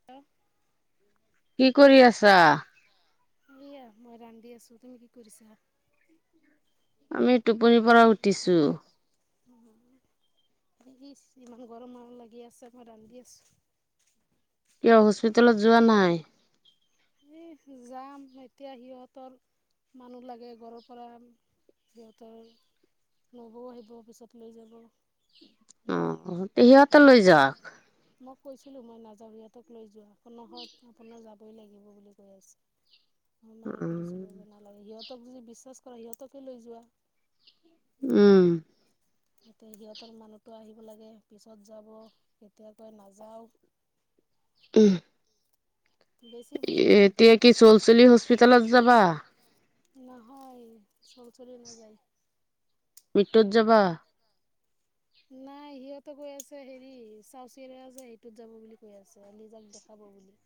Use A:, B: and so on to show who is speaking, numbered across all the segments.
A: [inaudible]
B: কি কৰি আছা?
A: এইয়া মই ৰান্ধি আছোঁ, তুমি কি কৰিছা?
B: আমি টোপনিৰ পৰা উঠিছোঁ।
A: ইছ ইমান গৰম আৰু লাগি আছে মই ৰান্ধি আছোঁ।
B: কিয় হস্পিতালত যোৱা নাই?
A: এই যাম, এতিয়া সিহঁতৰ মানুহ লাগে ঘৰৰ পৰা। সিহঁতৰ নবৌ আহিব, পিছত লৈ যাব।
B: উম।
A: মই কৈছিলোঁ, মই নাযাওঁ সিহঁতক লৈ যোৱা নহয়, আপোনাৰ যা বই লাগিব বুলি কৈ আছে, মই মানা
B: উম,
A: কৰিছিলোঁ যে নালাগে। সিহঁত তক যদি বিশ্বাস কৰা, সিহঁতকে লৈ যোৱা।
B: উমঁ!
A: এতিয়া সিহঁতৰ মানুহতো আহিব লাগে পিছত যাব কেতিয়াবা নাযাওঁ। [inaudible]
B: উমঁ!
A: বেছি বুজি
B: এ
A: পায়
B: এতিয়া কি চলচলি হস্পিতলত যাবা।
A: নহয় চল চলি নাযায়।
B: মৃত্যুত যাবা।
A: নাই সিহঁতে কৈ আছে হেৰি চাউচি ৰ আছে সেইটোত যাব বুলি কৈ আছে লিজাক দেখাব বুলি।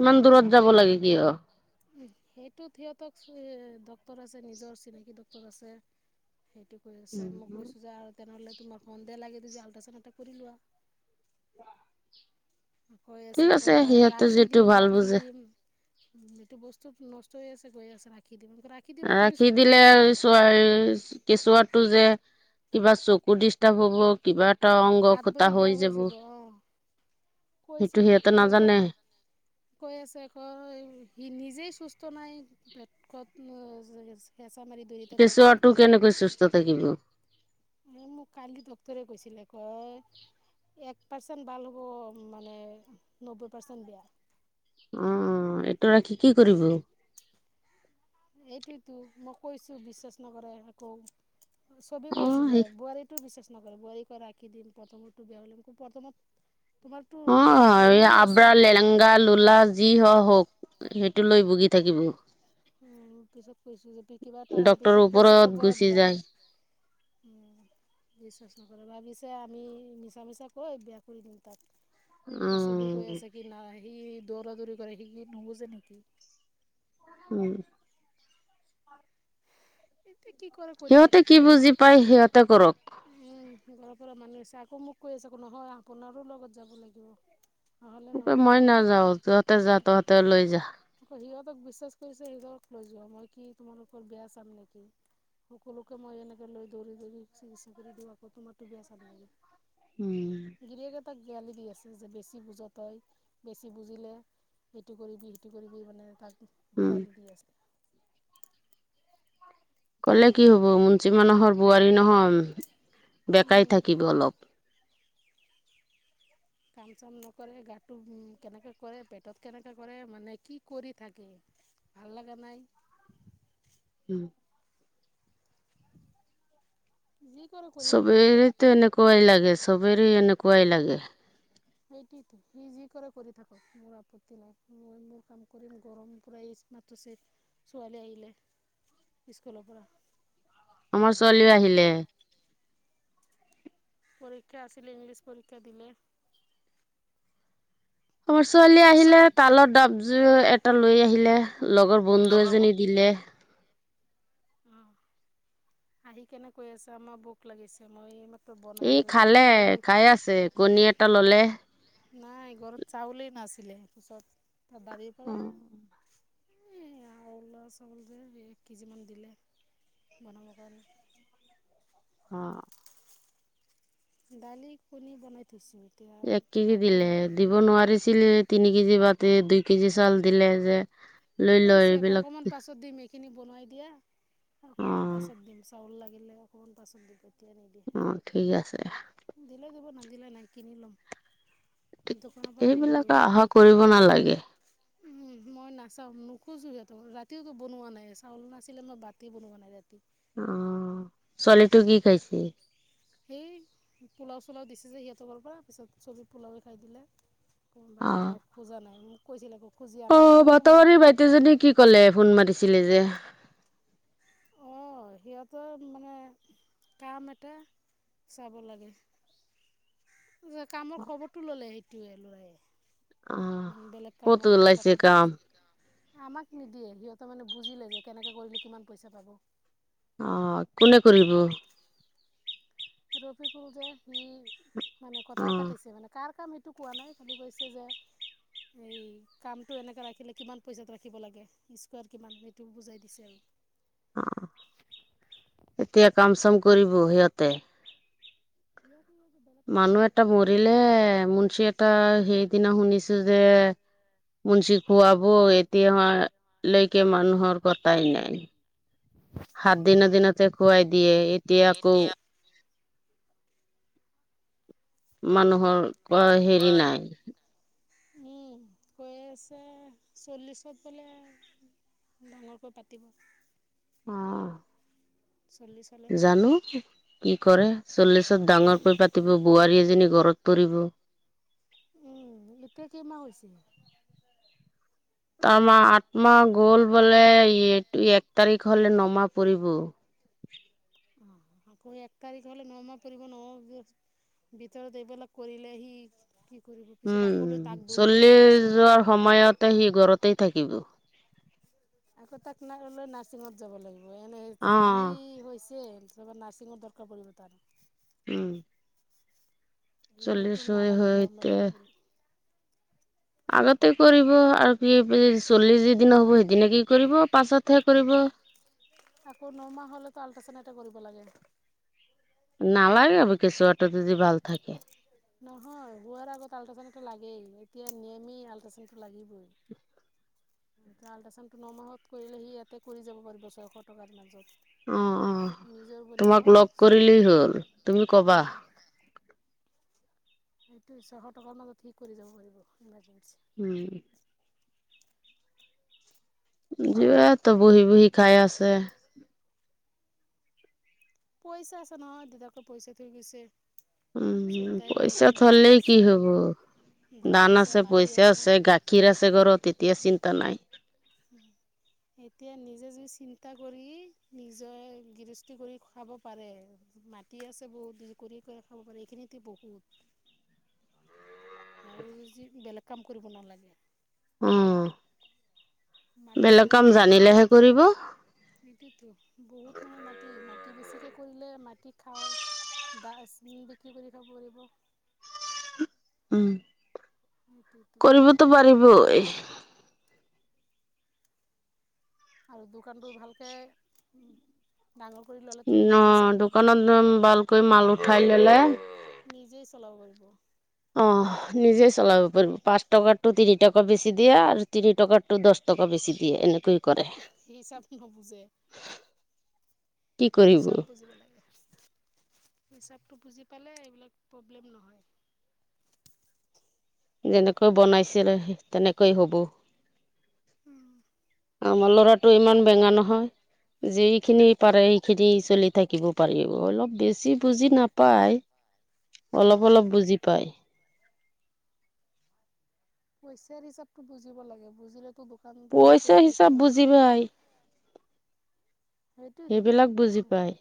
B: ইমান
A: ইমান
B: লাগে
A: দূৰত যাব
B: কিয়?
A: লাগিব নেকি? উমঁ সেইটো সিহঁতক ডক্টৰ আছে নিজৰ চিনাকি ডক্টৰ আছে। সেইটো কৈ আছে মই কৈছোঁ যে আৰু তেনেহ'লে তোমাক সন্দেহ লাগে যদি আল্ট্ৰাচাউণ্ড এটা কৰি লোৱা। কৈ আছে
B: ঠিক
A: ক
B: সিহঁতে
A: ৰাখি
B: যিটো
A: দিম
B: ভাল
A: ৰাখি
B: বুজে।
A: দিম। উমঁ এইটো বস্তু নষ্ট হৈ আছে গৈ আছে ৰাখি দিম লাখ।
B: ৰাখী দিলে আৰু চোৱাচ কেঁচুৱাটো যে কিবা চকু ডিষ্টাব হ'ব কিবাত-
A: হাত ভৰি বেয়া হৈ যাব আহ
B: সেইটো
A: কৈছিলো
B: সিহঁতে নাজানে।
A: সিহঁতে- কৈ আছে আক সি নিজেই সুস্থ নাই পেটত নো কত হেঁচা মাৰি ধৰি থাকে পেটত ইতো।
B: কষ্ট থাকিব
A: এই মোক কালি ডক্টৰে কৈছিলে কয়। এক পাৰ্চেণ্ট ভাল হ'ব মানে নব্বৈ পাৰ্চেণ্ট বেয়া।
B: উমঁ এইটো ৰাখি কি কৰিব।
A: এইটোৱতো মই কৈছোঁ বিশ্বাস নকৰে আকৌ। চবে
B: অ
A: কৈ আছে যে
B: সেই
A: বোৱাৰীটো বিশ্বাস নকৰে বোৱাৰী পৰা ৰাখি দিম প্ৰথমতো বিয়া হ'লে প্ৰথমত তোমাৰতো বেয়া
B: অঁ
A: হৈয়ে আছে
B: আব্ৰা লেলেংগা লোলা যি হ হওঁক।
A: উমঁ পিছত কৈছোঁ যে। কি কিবা এটা হ'লে
B: ডক্তৰৰ
A: পিছত পইচা
B: ওপৰত
A: ক'ৰ পৰা
B: গুচি
A: দিবা।
B: যায়
A: বিশ্বাস নকৰে ভাবিছে আমি মিছা মিছা কৈ বেয়া কৰি দিম তাত।
B: উ
A: এতিয়া চবে কৈ আছে কি সি দৌৰা দৌৰি কৰে সি নুবুজে নেকি?
B: উমঁ।
A: এতিয়া কি কৰে কৰি থাকক কি বুজি পাই সিহঁতে। উমঁ ঘৰৰ পৰা মানুহ আছে আকৌ মোক কৈ আছে নহয় আপোনাৰো লগত যাব লাগিব। নহ'লে নহ'ব
B: মই
A: মোক
B: নাযাও তহঁতে যা
A: মই নাজানো সিহঁতে জাৱ তই
B: তহঁতে লৈ যা
A: গৈ দিবি। আকৌ সিহঁতক বিশ্বাস কৰিছে সিহঁতক লৈ যোৱা মই কি তোমাৰোকৰ বেয়া চাম নেকি। সকলোকে মই এনেকে লৈ দৌৰি দৌৰি চিকিৎসা কৰি দিওঁ আকৌ তোমাৰতো বেয়া চাম নেকি।
B: উমঁ!
A: গিৰিয়েকে তাক গালি দি আছে যে বেছি বুজ তই বেছি বুজিলে সেইটো কৰিবি সেইটো কৰিবি মানে তাক
B: উম
A: গালি দি আছে।
B: ক'লে কি হ'ব যি মানুহৰ বোৱাৰী নহয় বেকাই থাকিব অলপ।
A: কাম চাম নকৰে গাটো উ কেনেকে কৰে পেটত কেনেকে কৰে মানে কি কৰি থাকে। ভাল লগা নাই।
B: উমঁ!
A: যি কৰে কৰি থাকক ওম।
B: ভয় লাগে চবেৰে এনে কুৱাই লাগে।
A: সেইটোৱেটো সি যি কৰে কৰি থাকক মোৰ আপত্তি নাই মই মোৰ কাম কৰিম গৰম পুৰা ইচমাত তুছে ছোৱালী আহিলে স্কুলৰ পৰা
B: আমাৰ ছোৱালী আহিলে।
A: পৰীক্ষা আছিলে ইংলিছ পৰীক্ষা দিলে।
B: আমাৰ ছোৱালী আহিলে তালত ডাব জোৰ এটা লৈ আহিলে লগৰ বন্ধু এজনীৰ দিলে
A: অ আহি কেনে কৈ আছে আমাৰ বোক লাগিছে মই এ
B: ই খালে খাই আছে কণী এটা ল'লে
A: নাই ঘৰত চাউলেই নাছিলে পিছত তাৰ বাৰীৰ পৰা
B: অ
A: এই আৰু লছ হয় গ'ল যে এক কেজিমান দিলে বনাবৰ কাৰণে।
B: অ
A: দালি কণী বনাই থৈছোঁ। এতিয়া
B: এক কেজি
A: ভাত
B: দিলে
A: বনোৱা নাই
B: দিব নোৱাৰিছিল তিনি কেজি বাতি দুই কেজি চাউল দিলে যে লৈ ল
A: কৈছে
B: এইবিলাক
A: অকণমান পাছত দিম এইখিনি বোনোৱাই দিয়া
B: অ
A: অকণমান পাছত দিম। চাউল লাগিলে অকণমান পাছত দিব এতিয়া নিদিয়ে।
B: অঁ ঠিক আছে দিয়া।
A: দিলে দিব না দিলে নাই কিনি লম। দোকানৰ পৰা আনিব
B: এইবিলাক
A: লাগিব
B: আশা
A: বাকী
B: কৰিব নালাগে
A: মই নাচাওঁ নোখোজো সিহঁতক ৰাতিওতো বনোৱা নাই চাউল নাছিলে মই বাতে বনোৱা নাই ৰাতি।
B: অ ছোৱালীটো কি খাইছে?
A: সেই পোলাও চোলাও দিছে যে সিহঁতৰ ঘৰৰ পৰা পিছত চবে পোলাওয়ে খাই দিলে।
B: অ
A: কোনোবাৰে মই খোজা নাই মোক কৈছিলে আকৌ খোজি আনা গই মোক কো
B: তে যদি কি ক'লে ফোন মাৰিছিলে যে
A: অ সিহঁতৰ মানে কাম এটা চাব লাগে। যে কামৰ খবৰটো ল'লে সেইটোয়ে ল'ৰাই
B: অ
A: বেলেগ
B: ক'ত
A: কামক
B: ওলাইছে
A: কথা পাতি
B: কাম
A: আছিল সেইকাৰণে আমাক নিদিয়ে সিহঁতৰ মানে বুজিলে যে কেনেকৈ কৰিলে কিমান পইচা পাব।
B: অ কোনে কৰিব?
A: ৰফিফুল যে সি মানে কথা পাতিছে মানে তাৰ কাম এইটো কোৱা নাই খালি কৈছে যে এই কামটো এনেকা ৰাখিলে কিমান পইচাত ৰাখিব লাগে স্কাৰ কিমান সেইটো বুজাই দিছে আৰু
B: অ এতিয়া কাম চাম কৰিব সিহঁতে
A: কি কি বা [unintelligible]
B: মানুহ এটা মৰিলে মুঞ্চী এটা সেইদিনা শুনিছোঁ যে মুঞ্চি খোৱাবৌ এতিয়া লৈকে মানুহৰ কথাই নাই সাত দিনৰ দিনতে খুৱাই দিয়ে এতিয়া আকৌ মানুহৰ আক হেৰি নাই।
A: উম কৈ আছে চল্লিশত বোলে ডাঙৰকৈ পাতিব।
B: অ
A: চল্লি
B: জানোঁ কি কৰে চল্লিছত ডাঙৰকৈ পাতিব বোৱাৰী এজনী ঘৰত পৰিব।
A: উম এতিয়া কেইমাহ হৈছে?
B: তাৰ মাহ আত্মা গ'ল বোলে এইটো এক তাৰিখ হ'লে নমাহ পৰিব।
A: অ আকৌ এক তাৰিখ হ'লে নমাহ পৰিব ন [unintelligible] ভিতৰত এইবিলাক কৰিলেহি কি কৰিব পিছত আকৌ‌
B: উম
A: লৈ তাক দৌৰিব
B: চলি
A: লাগিব নাছিল।
B: যোৱাৰ সময়তে সি ঘৰতেই থাকিব।
A: আকৌ তাক ন লৈ নাৰছিঙত যাব লাগিব এনে
B: অ
A: যি হৈছে। তব নাৰছিংৰ দৰকাৰ পব তাৰ।
B: উম চল্লিশ
A: এইবাৰটো
B: হৈ
A: নালাগে নৰ্মেল
B: হৈতে
A: হ'ব বুলি।
B: আগতে কৰিব আৰু কি চল্লিছ য দিন হ' সেইদিন কি কৰিব পাঁচতে কৰিব।
A: আকৌ নমাহ হ'লেতো আল্ট্ৰাছাউণ এটা কৰিব লাগে।
B: নালাগে কেঁচুৱা এটা যদি ভাল থাকে।
A: নহয় বোৱাৰ আগত আল্ট্ৰাচাউডটো লাগেই এতিয়া নিয়মেই আল্ট্ৰাচাউনটো লাগিবই। [unintelligible] এতিয়া আল্ট্ৰাচাউণ্ডটো ন মাহত কৰিলে সি ইয়াতে কৰি যাব পাৰিব ছয়শ টকাৰ
B: অ অ
A: মাজত নিজৰ বুলি
B: তোমাক লগ
A: নহয়
B: কৰিলেই হ'ল তুমি কবা
A: আহ সেইটো ছশ টকাৰ মাজত কসি কৰি যাব পাৰিব ইমাৰ্জেঞ্চি
B: উম য তো বহি বহি খাই আছে।
A: পইচা আছে নহয় দেউতাকে পইচা থৈ গৈছে।
B: উম
A: চিন্তাই
B: পইচা
A: নাই দান
B: থলে কি
A: আছে
B: হব। দান আছে পইচা আছে গাখীৰ, আছে ঘৰত তেতিয়া চিন্তা নাই।
A: [unintelligible] এতিয়া নিজে য চিন্তা কৰি নিজে গৃহস্থী কৰি খুৱাব পাৰে মাট দি আছে বহুত দি কৰি কৰি খাব পাৰে এইখিনিতে বহুত আৰু যি বেলেগ কাম কৰিব নালাগে
B: অ
A: মাটিতো
B: বেলেগ কাম জানিলেহে কৰিব।
A: সতিতো বহুত নহয় মাটি -মাটি বেছিকে কৰিলে মাটি খাওঁ। দাচ বিক্ৰী কৰি খাব পাৰিব।
B: উম
A: সেইটোৱেতো
B: কৰিবতো পাৰিব এই
A: আৰু দোকানটো ভালকে
B: অ
A: পাৰে
B: দোকানত ভালকৈ মাল উঠাই ললে।
A: নিজেই চলাব পাৰিব।
B: অ নিজেই চলাব পাৰিব পাঁচ, টকা টো তিনি টকা বেছি দিয়া আৰু তিনি টকা। টো দহ টকা বেছি দিয়ে এনেকৈ কৰে
A: হিচাপ নুবুজে
B: কি কৰিব
A: হিচাব বুজিব লাগে। হিচাপটো বুজি পালে এইবিলাক প্ৰব্লেম নহয়।
B: যেনেকৈ বনাইছিল তেনেকৈ হ'ব।
A: উম
B: আমাৰ ল'ৰাটো ইমান বেঙা নহয়। যিখিনি পাৰে সেইখিনি চলি থাকিব পাৰিব অলপ বেছি বুজি নাপায়। অলপ-
A: অঁ
B: অলপ বুজি পাই।
A: পইচাৰ হিচাপতটো বুজিব লাগে বুজিলেতো দোকান দাৰী
B: পইচা
A: কৰিলে
B: হিচাপ
A: একো
B: বুজি
A: নহয়।
B: পায়
A: সেইটোৱেইতো
B: সেইবিলাক বুজি
A: পইচা
B: পায়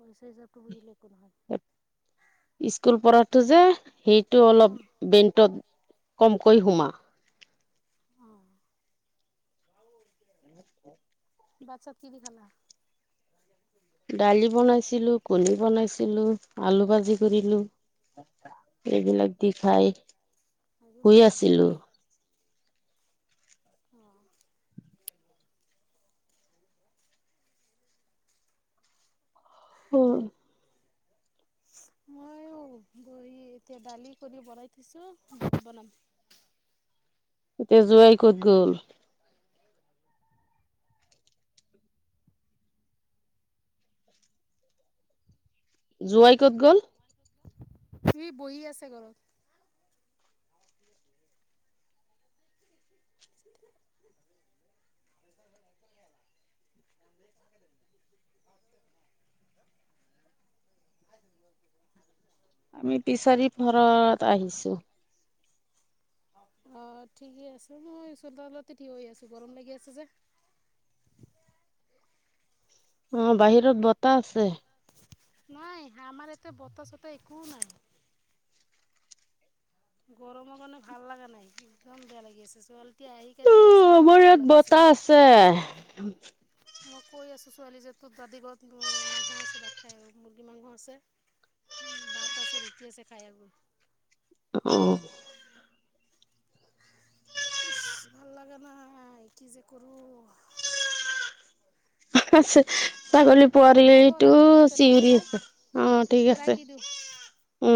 A: পইচা হিচাপটো বুজিলে একো নহয়। [unintelligible]
B: স্কুল পঢ়াতটো যে সেইটো অলপ
A: অঁ
B: বেণ্টত কমকৈ সোমা।
A: অ ভাত, তাছ কি দি খালা?
B: দালি বনাইছিলো কণী বনাইছিলো আলু ভাজি কৰিলো এইবিলাক দি খাই
A: আৰু
B: শুই আছিলো
A: অ
B: হ
A: মই অ ব এতিয়া দালি কৰি বনাই থৈছো বনাম
B: এতিয়া জোৱাই ক'ত গ'ল জোৱাই ক'ত গ'ল
A: সি বহি আছে ঘৰত [inaudible]
B: আমি পিছাৰি ঘৰত আহিছো
A: অ', ঠিকেই আছে মই চতালতে থিঠ হৈ আছো গৰম লাগি আছে যে
B: অ', বাহিৰত বতাহ আছে
A: নাই আমাৰ এতিয়া বতাহ চতাহ একোও নাই গৰমৰ কাৰণে ভাল লাগা নাই একদম বেয়া লাগি আছে চল এতিয়া আহি কেনেকৈ আছে আমাৰ ভোক লাগিছে
B: চ [unintelligible]
A: মই কৈ আছোঁ ছোৱালী যে তোৰ দাদি ঘৰত মাংস আছে ভাত খাই মুৰ্গী মাংস আছে। উ ভাত আছে ৰুটি আছে খাই আক
B: অ',
A: ইচ ভাল লাগে নাই কি যে কৰোঁ
B: ছে ত কল [unintelligible]
A: হ'ব
B: পোৱালিটো
A: ৰাখি দিওঁ তেনেহ'লে
B: চিঞৰি
A: হে
B: আছে অ ঠিক
A: ৰাখি দিওঁ
B: আছে